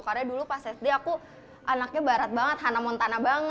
karena dulu pas sd aku anaknya barat banget hana montana banget